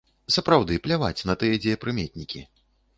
Сапраўды, пляваць на тыя дзеепрыметнікі.